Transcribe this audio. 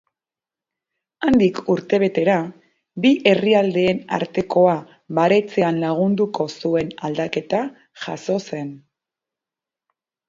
Handik urtebetera, bi herrialdeen artekoa baretzean lagunduko zuen aldaketa jazo zen.